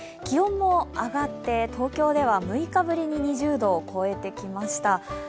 気温も上がって東京では６日ぶりに２０度を超えてきました。